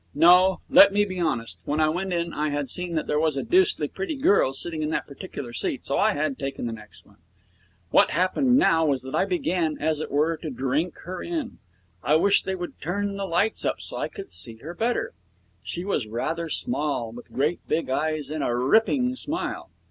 No, let me be honest. When I went in I had seen that there was a deucedly pretty girl sitting in that particular seat, so I had taken the next one. What happened now was that I began, as it were, to drink her in. I wished they would turn the lights up so that I could see her better. She was rather small, with great big eyes and a ripping smile.